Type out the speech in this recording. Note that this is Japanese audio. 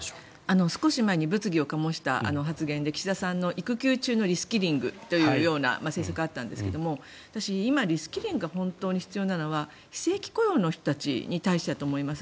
少し前に物議を醸した発言で岸田さんの育休中のリスキリングという政策があったんですが私、今リスキリングが本当に必要なのは非正規雇用の人たちに対してだと思います。